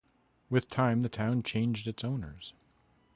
With time the town changed its owners.